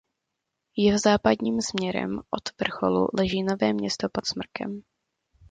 Jihozápadním směrem od vrcholu leží Nové Město pod Smrkem.